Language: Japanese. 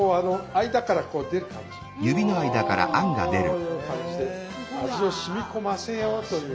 こういう感じで味をしみこませようという。